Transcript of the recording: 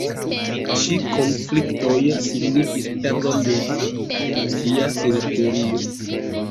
Ĉi konfliktoj signifis perdon de de ĝia teritorio.